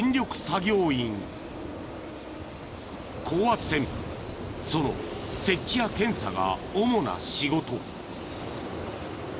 ［高圧線その設置や検査が主な仕事］